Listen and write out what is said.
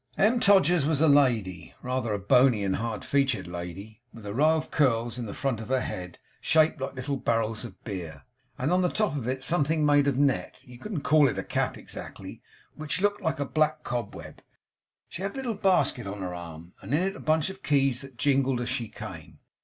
M. Todgers was a lady, rather a bony and hard featured lady, with a row of curls in front of her head, shaped like little barrels of beer; and on the top of it something made of net you couldn't call it a cap exactly which looked like a black cobweb. She had a little basket on her arm, and in it a bunch of keys that jingled as she came.